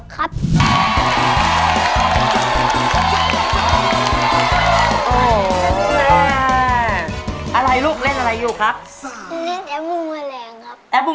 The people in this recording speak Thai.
ครับลูก